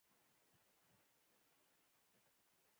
د رومیانو جوشه چمتو کولو لپاره لومړی یې پاک پرېمنځي.